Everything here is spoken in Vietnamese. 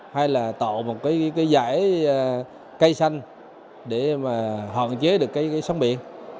hay là tộ một cái giải cây xanh để mà hoàn chế được cái sông biển